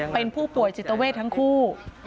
เป็นผู้ป่วยจิตเวททั้งคู่